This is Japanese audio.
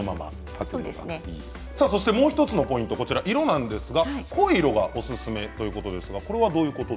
もう１つのポイント色なんですが、濃い色がおすすめということですね。